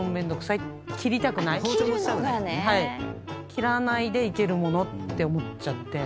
切らないでいけるものって思っちゃって。